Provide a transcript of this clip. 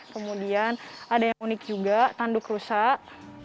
kemudian ada yang unik juga tanduk rusak